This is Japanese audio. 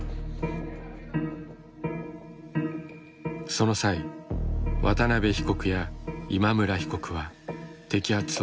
その際渡邉被告や今村被告は摘発を逃れた。